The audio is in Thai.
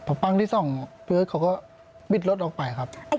พอปั้งที่ส่องเพื่อเขาก็ปิดรถออกไปครับ